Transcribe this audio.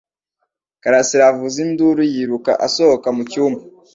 Karasira avuza induru yiruka asohoka mu cyumba